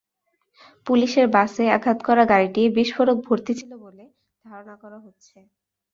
পুলিশের বাসে আঘাত করা গাড়িটি বিস্ফোরক ভর্তি ছিল বলে ধারণা করা হচ্ছে।